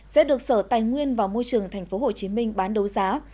sẽ được sở tài nguyên và môi trường tp hcm bán đấu giá